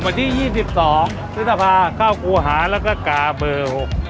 วันที่๒๒พฤษภาเข้าครูหาแล้วก็กาเบอร์๖